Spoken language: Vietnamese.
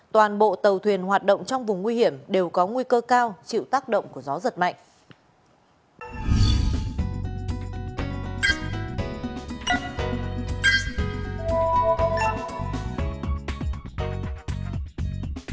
toàn bộ tàu thuyền hoạt động trong vùng nguy hiểm đều có nguy cơ cao chịu tác động của gió giật mạnh